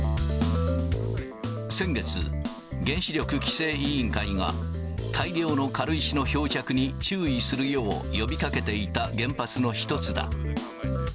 先月、原子力規制委員会が、大量の軽石の漂着に注意するよう呼びかけていた原発の一つだ。